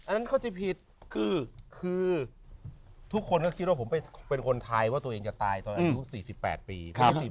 แหละยังไง